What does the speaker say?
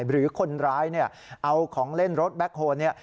หรือคนร้ายเอาของเล่นรถแบ็คโฮลเนี่ย